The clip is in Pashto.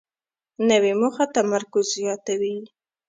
نوې موخه تمرکز زیاتوي